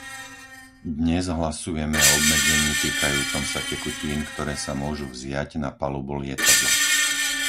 Dnes hlasujeme o obmedzení týkajúcom sa tekutín, ktoré sa môžu vziať na palubu lietadla.